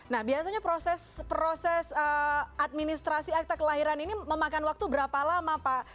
nah biasanya proses administrasi akta kelahiran ini memakan waktu berapa lama pak